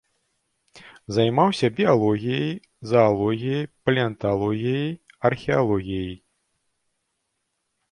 Займаўся біялогіяй, заалогіяй, палеанталогіяй, археалогіяй.